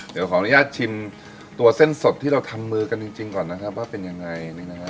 เดี๋ยวขออนุญาตชิมตัวเส้นสดที่เราทำมือกันจริงก่อนนะครับว่าเป็นยังไง